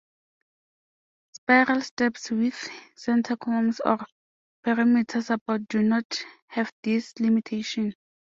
Spiral steps with center columns or perimeter support do not have this limitation.